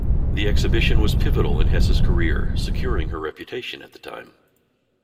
The exhibition was pivotal in Hesse's career, securing her reputation at the time.